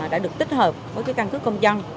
đã được tích hợp với cái căn cứ công dân